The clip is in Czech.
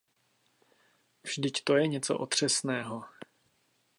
Vždyť to je něco otřesného.